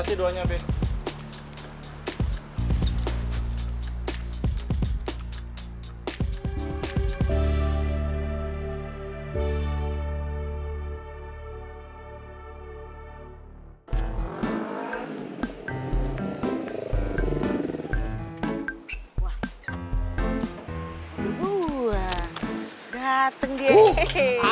wah dateng dia